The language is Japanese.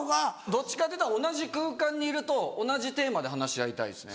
どっちかっていったら同じ空間にいると同じテーマで話し合いたいですね。